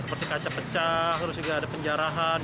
seperti kaca pecah terus juga ada penjarahan